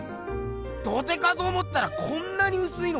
土手かと思ったらこんなにうすいのか！